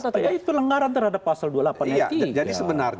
tapi itu lenggaran terhadap pasal dua puluh delapan st